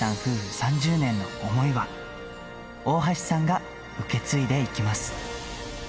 ３０年の想いは、大橋さんが受け継いでいきます。